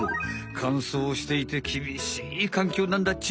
かんそうしていてきびしいかんきょうなんだっち。